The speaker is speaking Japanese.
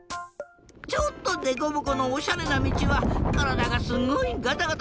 ちょっとデコボコのおしゃれなみちはからだがすごいガタガタするし。